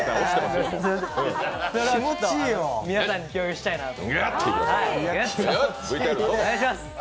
皆さんに共有したいなと。